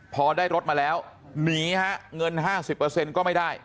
พอได้รถมาแล้วหนีฮะเงิน๕๐ก็ไม่ได้